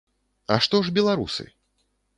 А што ж беларусы?